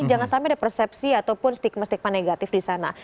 jangan sampai ada persepsi ataupun stigma stigma negatif di sana